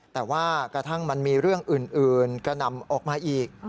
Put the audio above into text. แต่ว่ากระทั่งมันมีเรื่องอื่นกระหน่ำออกมาอีก